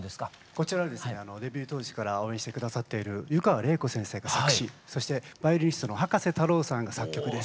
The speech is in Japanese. こちらはデビュー当時から応援して下さっている湯川れい子先生が作詞そしてバイオリニストの葉加瀬太郎さんが作曲です。